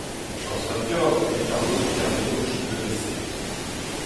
Chañs vat deoc'h evit arnodiñ ar mennozhioù nevez-se.